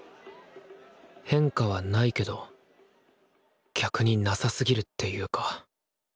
「変化」はないけど逆になさすぎるっていうか。